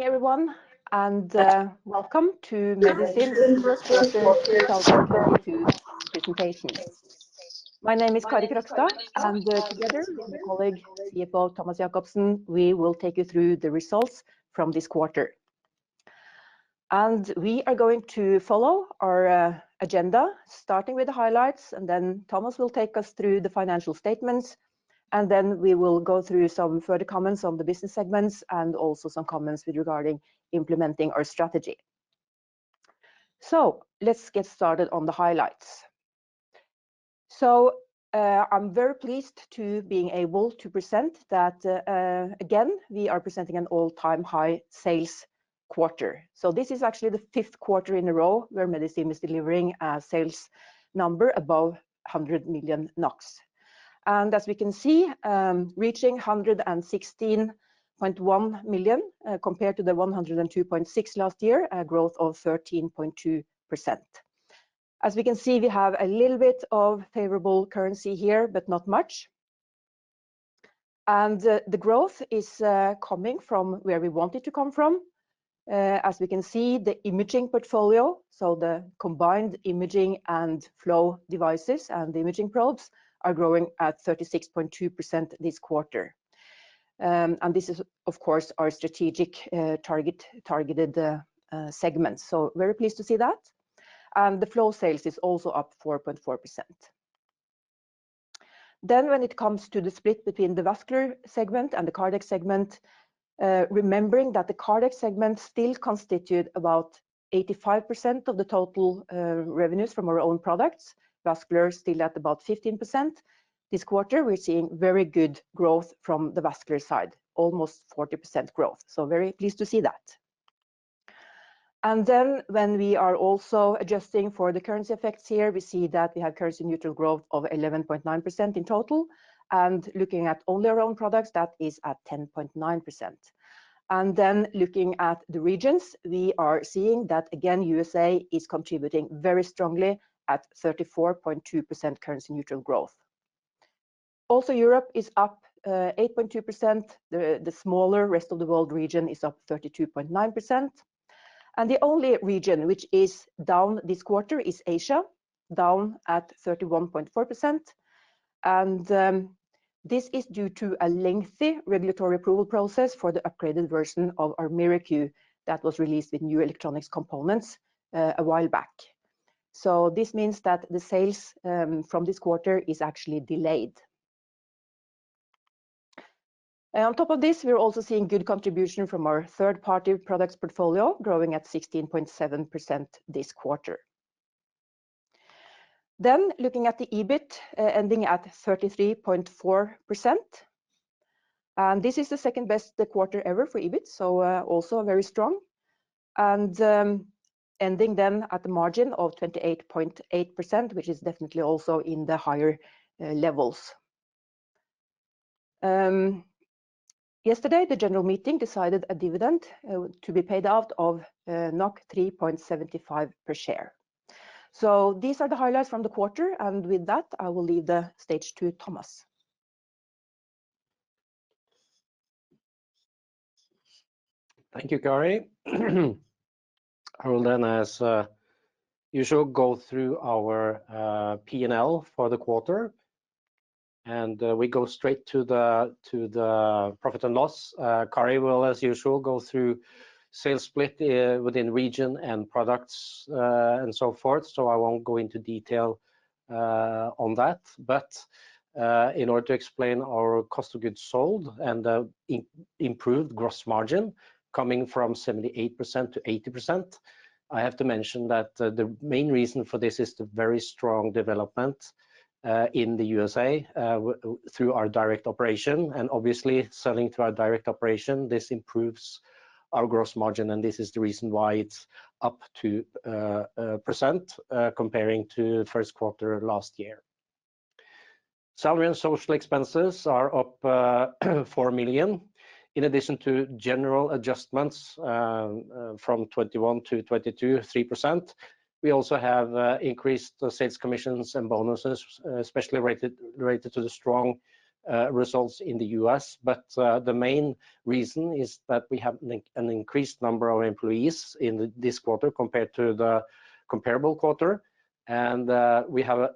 Good morning, everyone, and welcome to Medistim 2022 presentation. My name is Kari Krogstad, and together with my colleague, CFO Thomas Jakobsen, we will take you through the results from this quarter, and we are going to follow our agenda, starting with the highlights, and then Thomas will take us through the financial statements, and then we will go through some further comments on the business segments, and also some comments with regard to implementing our strategy. So, let's get started on the highlights. So I'm very pleased to being able to present that, again, we are presenting an all-time high sales quarter. This is actually the fifth quarter in a row where Medistim is delivering a sales number above 100 million NOK. As we can see, reaching 116.1 million, compared to the 102.6 million last year, a growth of 13.2%. As we can see we have a little bit of favorable currency here, but not much, and the growth is coming from where we want it to come from. As we can see, the imaging portfolio, so the combined imaging and flow devices and the imaging probes are growing at 36.2% this quarter, and this is, of course, our strategic targeted segment. So very pleased to see that. The flow sales is also up 4.4%. Then when it comes to the split between the Vascular segment and the Cardiac segment, remembering that the cardiac segment still constitute about 85% of the total, revenues from our own products. Vascular is still at about 15%. This quarter, we're seeing very good growth from the vascular side, almost 40% growth. So very pleased to see that. And then we are also adjusting for the currency effects here, we see that we have currency neutral growth of 11.9% in total and looking at only our own products, that is at 10.9%. And then looking at the regions, we are seeing that again, USA is contributing very strongly at 34.2% currency neutral growth. Also, Europe is up 8.2%, the smaller rest of the world region is up 32.9%. And the only region which is down this quarter is Asia, down at 31.4%. And this is due to a lengthy regulatory approval process for the upgraded version of our MiraQ that was released with new electronic components a while back. This means that the sales from this quarter is actually delayed. On top of this, we're also seeing good contribution from our third-party products portfolio growing at 16.7% this quarter. Then, looking at the EBIT ending at 33.4%, this is the second-best quarter ever for EBIT, so also very strong, and ending then at the margin of 28.8%, which is definitely also in the higher levels. Yesterday, the general meeting decided a dividend to be paid out of 3.75 per share. So these are the highlights from the quarter, and with that, I will leave the stage to Thomas. Thank you, Kari. I will then, as usual, go through our P&L for the quarter, and we go straight to the profit and loss. Kari will, as usual, go through sales split within region and products, and so forth. So I won't go into detail on that, but in order to explain our cost of goods sold and improved gross margin coming from 78%-80%, I have to mention that the main reason for this is the very strong development in the USA through our direct operation, and obviously, selling through our direct operation, this improves our gross margin, and this is the reason why it's up 2%, comparing to first quarter last year. Salary and social expenses are up 4 million in addition to general adjustments, from 2021 to 2022, 3%, we also have increased sales commissions and bonuses, especially related to the strong results in the U.S.. The main reason is that we have an increased number of employees in this quarter compared to the comparable quarter. We have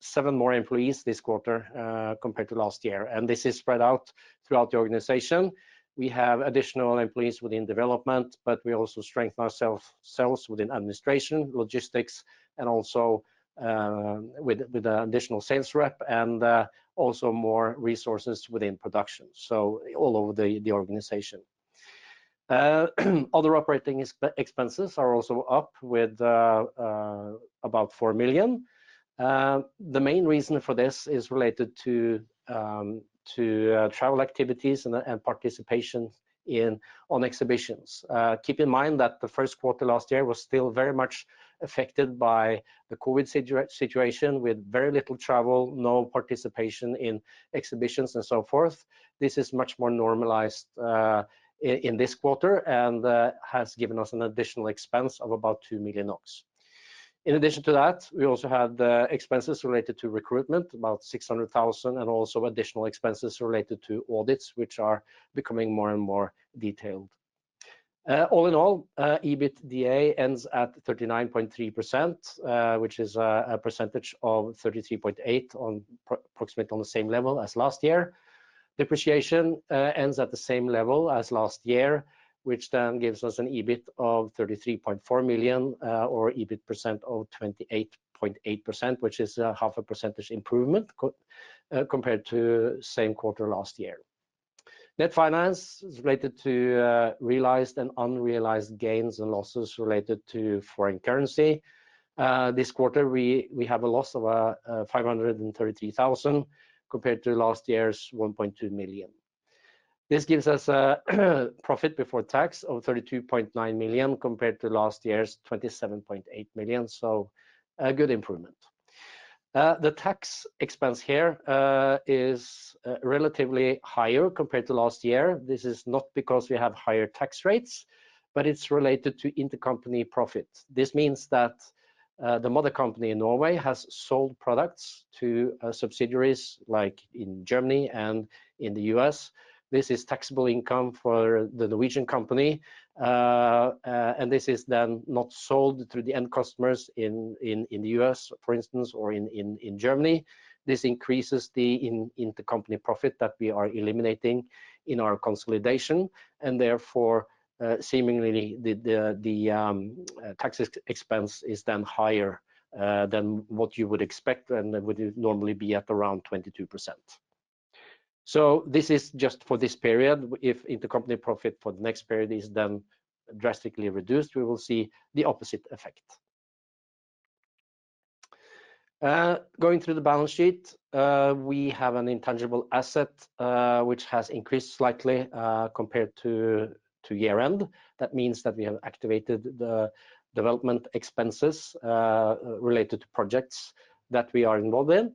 seven more employees this quarter compared to last year and this is spread out throughout the organization. We have additional employees within development, but we also strengthen sales within administration, logistics, and also with additional sales rep and also more resources within production. So all over the organization. Other operating expenses are also up with about 4 million. The main reason for this is related to travel activities and participation on exhibitions. Keep in mind that the first quarter last year was still very much affected by the COVID situation with very little travel, no participation in exhibitions and so forth. This is much more normalized in this quarter and has given us an additional expense of about 2 million. In addition to that, we also had the expenses related to recruitment, about 600,000, and also additional expenses related to audits, which are becoming more and more detailed. All in all, EBITDA ends at 39.3%, which is a percentage of 33.8% approximately on prospect on the same level as last year. Depreciation ends at the same level as last year, which then gives us an EBIT of 33.4 million, or EBIT % of 28.8%, which is half a percentage improvement compared to same quarter last year. Net finance is related to realized and unrealized gains and losses related to foreign currency. This quarter we have a loss of 533 thousand compared to last year's 1.2 million. This gives us a profit before tax of 32.9 million, compared to last year's 27.8 million, so a good improvement. The tax expense here is relatively higher compared to last year. This is not because we have higher tax rates, but it's related to intercompany profits. This means that, the mother company in Norway has sold products to, subsidiaries like in Germany and in the U.S. This is taxable income for the Norwegian company. And this is then not sold through the end customers in the U.S., for instance, or in Germany. This increases the intercompany profit that we are eliminating in our consolidation and therefore, seemingly the tax expense is then higher, than what you would expect and would normally be at around 22%. So this is just for this period, if intercompany profit for the next period is then drastically reduced, we will see the opposite effect. Going through the balance sheet, we have an intangible asset, which has increased slightly, compared to year-end, that means that we have activated the development expenses related to projects that we are involved in.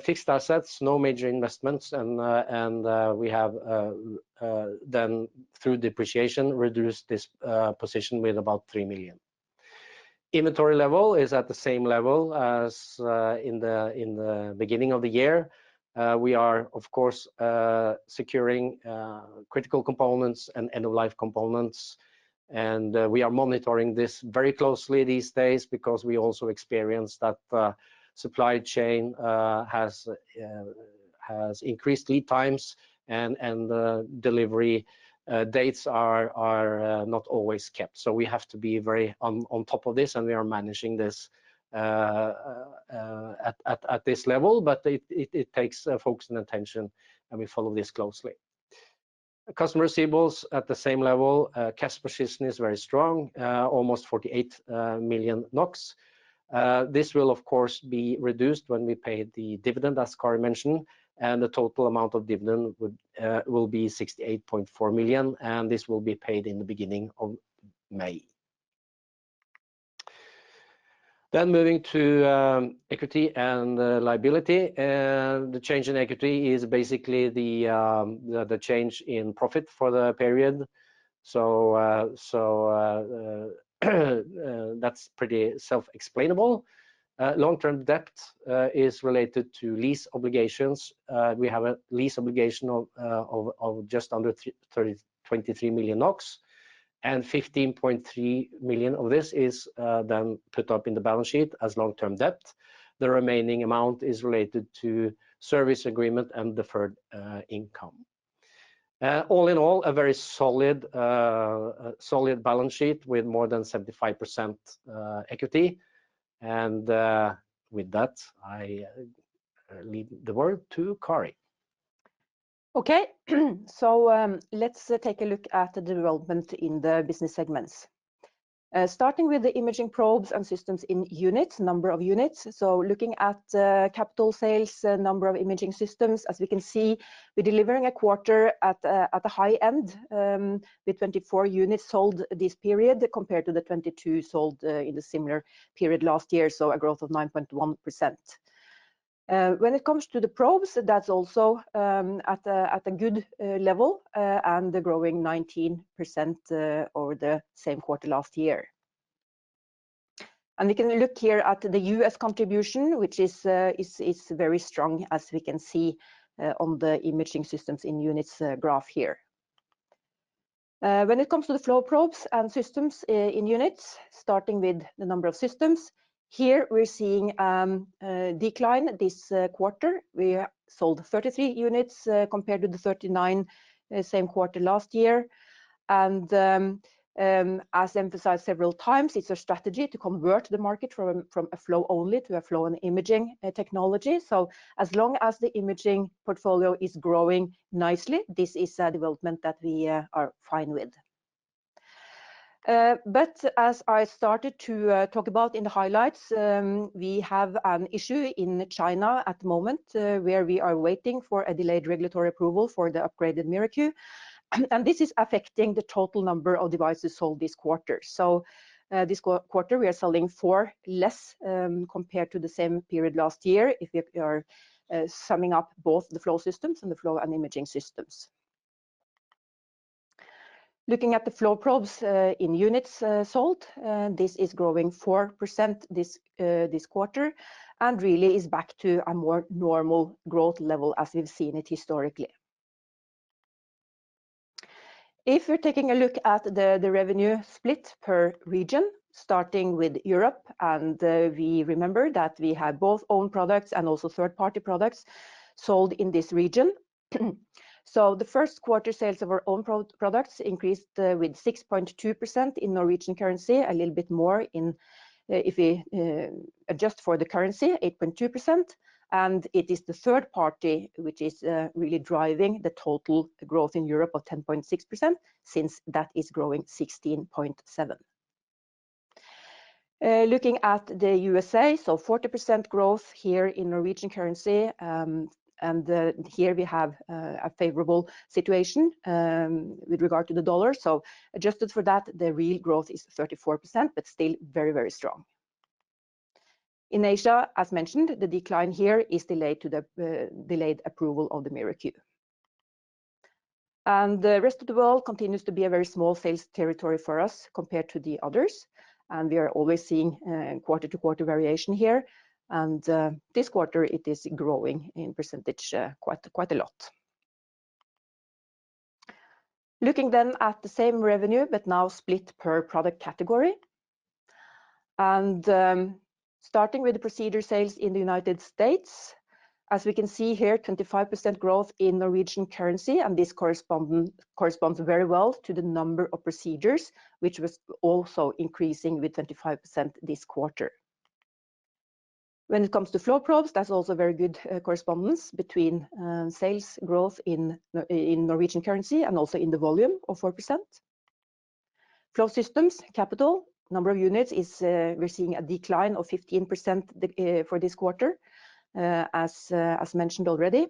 Fixed assets, no major investments. We have then through depreciation reduced this position with about 3 million. Inventory level is at the same level as in the beginning of the year. We are of course securing critical components and end-of-life components, and we are monitoring this very closely these days because we also experience that supply chain has increased lead times and delivery dates are not always kept. So we have to be very on top of this, and we are managing this at this level. But it takes focus and attention, and we follow this closely. Customer receivables at the same level. Cash position is very strong, almost 48 million NOK. This will of course be reduced when we pay the dividend, as Kari mentioned, and the total amount of dividend will be 68.4 million, and this will be paid in the beginning of May. Then moving to equity and liability. The change in equity is basically the change in profit for the period. That's pretty self-explainable. Long-term debt is related to lease obligations. We have a lease obligation of just under 23 million NOK and 15.3 million of this is then put up in the balance sheet as long-term debt. The remaining amount is related to service agreement and deferred income. All in all, a very solid balance sheet with more than 75% equity, and with that, I leave the word to Kari. Okay, let's take a look at the development in the business segments. Starting with the imaging probes and systems in units, number of units. Looking at capital sales, number of imaging systems, as we can see, we're delivering a quarter at the high end with 24 units sold this period compared to the 22 sold in the similar period last year, so a growth of 9.1%. When it comes to the probes, that's also at a good level and growing 19% over the same quarter last year. And we can look here at the U.S. contribution, which is very strong as we can see on the imaging systems in units graph here. When it comes to the flow probes and systems in units, starting with the number of systems, here we're seeing a decline this quarter. We sold 33 units compared to the 39 same quarter last year. And then as emphasized several times, it's a strategy to convert the market from a flow only to a flow and imaging technology. As long as the imaging portfolio is growing nicely, this is a development that we are fine with. But as I started to talk about in the highlights, we have an issue in China at the moment where we are waiting for a delayed regulatory approval for the upgraded MiraQ, and this is affecting the total number of devices sold this quarter. So this quarter we are selling four less compared to the same period last year, if you are summing up both the flow systems and the flow and imaging systems. Looking at the flow probes in units sold, this is growing 4% this quarter and really is back to a more normal growth level as we've seen it historically. If you're taking a look at the revenue split per region, starting with Europe, and we remember that we had both own products and also third-party products sold in this region. So the first quarter sales of our own products increased with 6.2% in Norwegian currency, a little bit more if we adjust for the currency, 8.2%. It is the third party which is really driving the total growth in Europe of 10.6% since that is growing 16.7%. Looking at the USA, so 40% growth here in Norwegian currency. Here we have a favorable situation with regard to the dollar. Adjusted for that, the real growth is 34%, but still very, very strong. In Asia, as mentioned, the decline here is due to the delayed approval of the MiraQ. The rest of the world continues to be a very small sales territory for us compared to the others, and we are always seeing quarter-to-quarter variation here, and this quarter it is growing in percentage quite a lot. Looking then at the same revenue but now split per product category and starting with the procedure sales in the United States. As we can see here, 25% growth in Norwegian currency, and this corresponds very well to the number of procedures, which was also increasing with 25% this quarter. When it comes to flow probes, that's also very good correspondence between sales growth in Norwegian currency and also in the volume of 4%. Flow systems capital number of units, we're seeing a decline of 15% for this quarter, as mentioned already.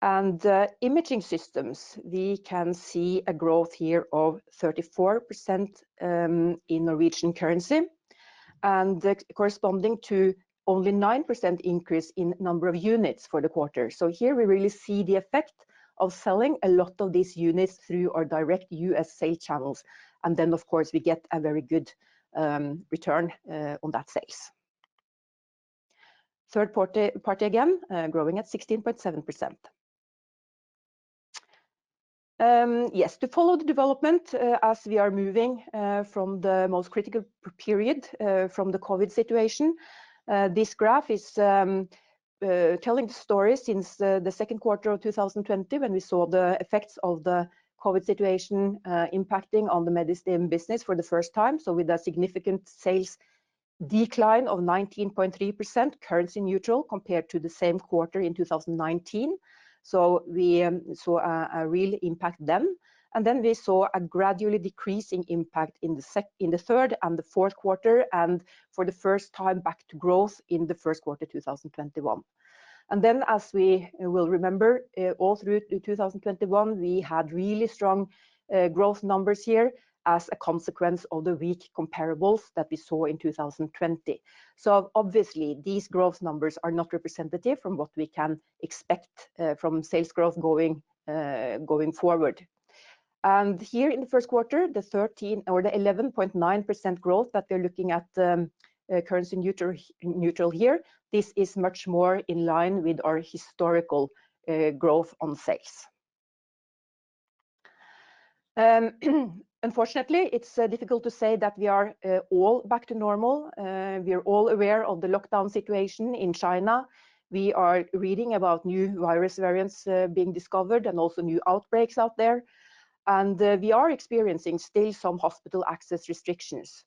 And the Imaging systems, we can see a growth here of 34% in Norwegian currency and corresponding to only 9% increase in number of units for the quarter. Here we really see the effect of selling a lot of these units through our direct USA channels, and then of course we get a very good return on that sales. Third party again growing at 16.7%. And yes, to follow the development as we are moving from the most critical period from the COVID situation, this graph is telling the story since the second quarter of 2020 when we saw the effects of the COVID situation impacting on the Medistim business for the first time. With a significant sales decline of 19.3%, currency neutral compared to the same quarter in 2019. Saw a real impact then, and then we saw a gradually decreasing impact in the third and the fourth quarter, and for the first time back to growth in the first quarter 2021. And then as we will remember, all through 2021, we had really strong growth numbers here as a consequence of the weak comparables that we saw in 2020. So, obviously these growth numbers are not representative from what we can expect from sales growth going forward. And here in the first quarter, the 13 or 11.9% growth that we're looking at, currency neutral here, this is much more in line with our historical growth on sales. Unfortunately, it's difficult to say that we are all back to normal. We are all aware of the lockdown situation in China. We are reading about new virus variants being discovered and also new outbreaks out there, and we are experiencing still some hospital access restrictions.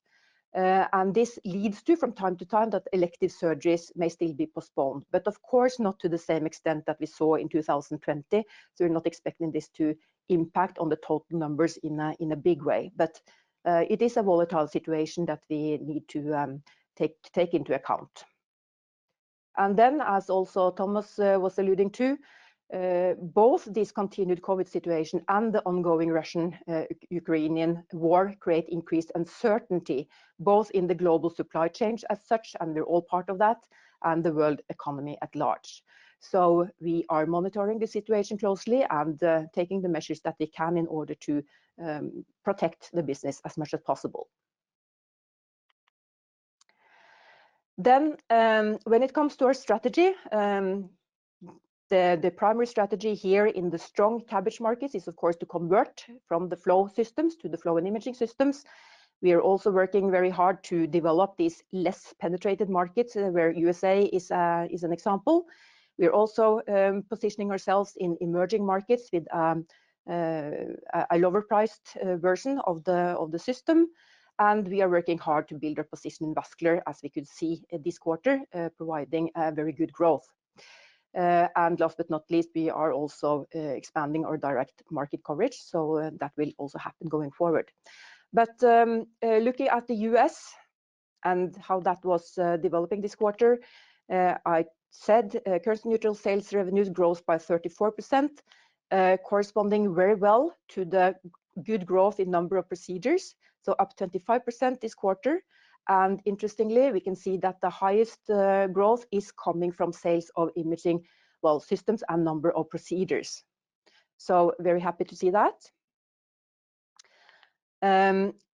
This leads to from time to time that elective surgeries may still be postponed, but of course not to the same extent that we saw in 2020. So we're not expecting this to impact on the total numbers in a big way but it is a volatile situation that we need to take into account. And then as also Thomas was alluding to, both this continued COVID situation and the ongoing Russian Ukrainian war create increased uncertainty both in the global supply chains as such, and we're all part of that, and the world economy at large. So we are monitoring the situation closely and taking the measures that we can in order to protect the business as much as possible. Then, when it comes to our strategy, the primary strategy here in the strong CABG markets is of course to convert from the flow systems to the flow and imaging systems. We are also working very hard to develop these less penetrated markets where USA is an example. We are also positioning ourselves in emerging markets with a lower priced version of the system, and we are working hard to build our position in vascular as we could see this quarter providing very good growth. Last but not least, we are also expanding our direct market coverage, so that will also happen going forward. But looking at the U.S. and how that was developing this quarter, I said currency neutral sales revenues grows by 34%, corresponding very well to the good growth in number of procedures, so up 25% this quarter. And interestingly, we can see that the highest growth is coming from sales of imaging well systems and number of procedures. So very happy to see that.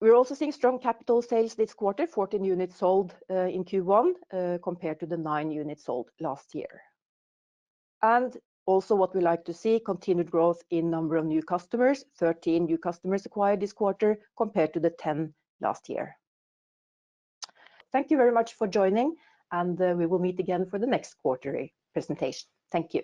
We're also seeing strong capital sales this quarter, 14 units sold in Q1 compared to the nine units sold last year. And also what we like to see, continued growth in number of new customers. 13 new customers acquired this quarter compared to the 10 last year. Thank you very much for joining, and we will meet again for the next quarterly presentation. Thank you.